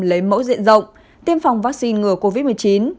lấy mẫu diện rộng tiêm phòng vaccine ngừa covid một mươi chín